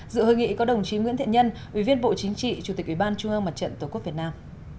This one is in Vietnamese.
dự hội nghị có đồng chí nguyễn thiện nhân ủy viên bộ chính trị chủ tịch ủy ban trung ương mặt trận tổ quốc việt nam